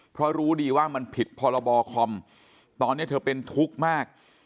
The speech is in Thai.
เพราะรู้ดีว่ามันผิดพรบคอมตอนนี้เธอเป็นทุกข์มาก